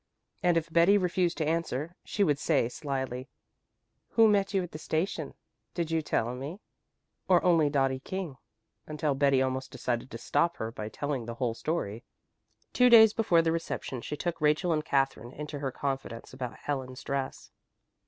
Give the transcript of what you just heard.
And if Betty refused to answer she would say slyly, "Who met you at the station, did you tell me? Oh, only Dottie King?" until Betty almost decided to stop her by telling the whole story. Two days before the reception she took Rachel and Katherine into her confidence about Helen's dress.